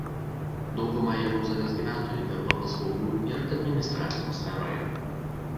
Dauguma Jeruzalės gyventojų dirba paslaugų ir administravimo sferoje.